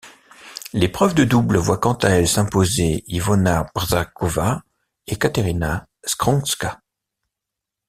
L'épreuve de double voit quant à elle s'imposer Yvona Brzáková et Kateřina Skronská.